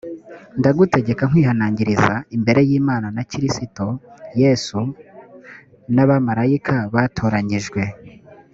ndagutegeka nkwihanangiriza imbere y imana na kristo yesu p n abamarayika batoranyijwe